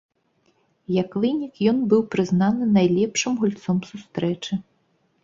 Як вынік, ён быў прызнаны найлепшым гульцом сустрэчы.